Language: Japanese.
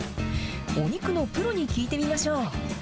お肉のプロに聞いてみましょう。